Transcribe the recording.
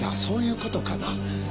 そういう事かな？